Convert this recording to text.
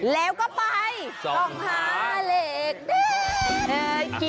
แล้วก็ไปส่องพ้าเหล็กดึ๊ก